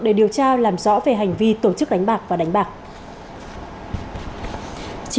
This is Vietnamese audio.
để điều tra làm rõ về hành vi tổ chức đánh bạc và đánh bạc